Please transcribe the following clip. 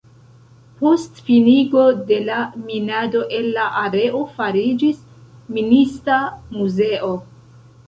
Post finigo de la minado el la areo fariĝis Minista muzeo.